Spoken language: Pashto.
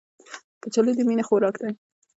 کچالو د مینې خوراک دی